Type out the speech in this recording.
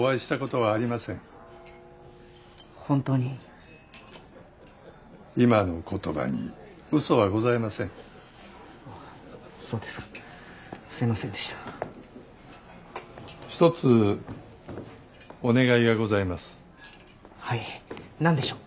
はい何でしょう？